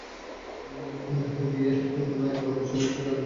এখন ঢাকায় গিয়ে একবার এবং পশ্চিমবঙ্গে গিয়েও আরেকবার বাস পরিবর্তন করতে হয়।